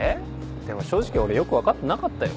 でも正直俺よく分かってなかったよ？